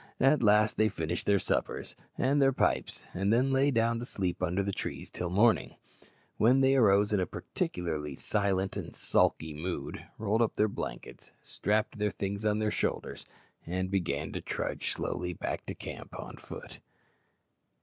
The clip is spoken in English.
At last they finished their suppers and their pipes, and then lay down to sleep under the trees till morning, when they arose in a particularly silent and sulky mood, rolled up their blankets, strapped their things on their shoulders, and began to trudge slowly back to the camp on foot.